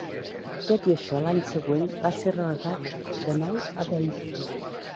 Tot i això, l"any següent, va ser relegat de nou a "beizi".